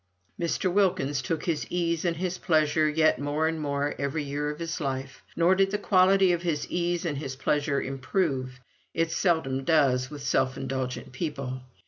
Mr. Wilkins took his ease and his pleasure yet more and more every year of his life; nor did the quality of his ease and his pleasure improve; it seldom does with self indulgent people.